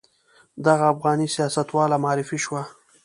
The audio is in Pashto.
دغه افغاني سیاستواله معرفي شوه.